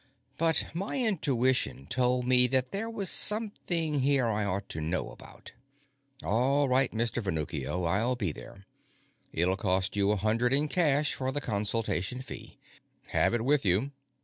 But my intuition told me that there was something here I ought to know about. "All right, Mr. Venuccio; I'll be there. It'll cost you a hundred in cash for the consultation fee. Have it with you."